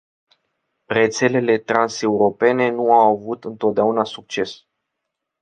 Rețelele transeuropene nu au avut întotdeauna succes.